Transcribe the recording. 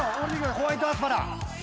ホワイトアスパラ！